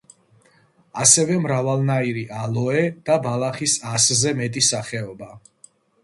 ასევე მრავალნაირი ალოე და ბალახის ასზე მეტი სახეობა.